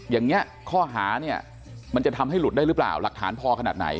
อย่างนี้ข้อหาเนี่ยมันจะทำให้หลุดได้หรือเปล่าหลักฐานพอขนาดไหน